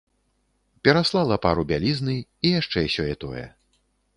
Пераслала пару бялізны і яшчэ сёе-тое.